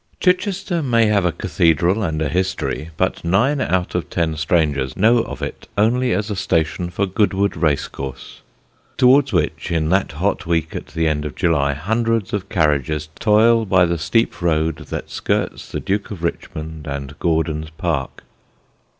Chichester may have a cathedral and a history, but nine out of ten strangers know of it only as a station for Goodwood race course; towards which, in that hot week at the end of July, hundreds of carriages toil by the steep road that skirts the Duke of Richmond and Gordon's park.